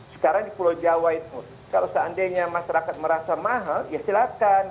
sekarang di pulau jawa itu kalau seandainya masyarakat merasa mahal ya silahkan